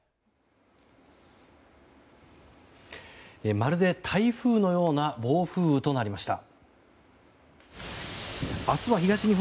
まるで台風のような暴風雨となりました。